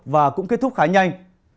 và cũng kết thúc khá nhanh